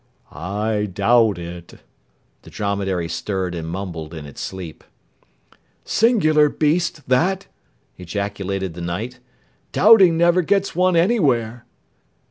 "I doubt it." The Dromedary stirred and mumbled in its sleep. "Singular beast, that!" ejaculated the Knight. "Doubting never gets one anywhere."